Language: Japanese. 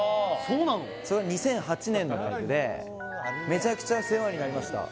へえそれ２００８年のライブでめちゃくちゃ世話になりました